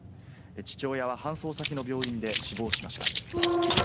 父親は搬送先の病院で死亡しました。